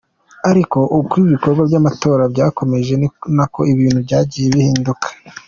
Ariko uko ibikorwa by'amatora byakomeje, ni nako ibintu byagiye bihinduka.